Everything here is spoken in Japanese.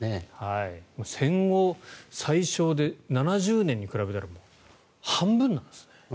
戦後最少で７０年に比べたら半分なんですね。